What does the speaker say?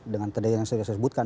dengan tanda yang saya sudah sebutkan